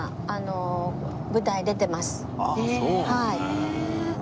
へえ。